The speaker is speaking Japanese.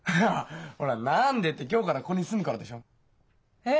何でって今日からここに住むからでしょ。え！？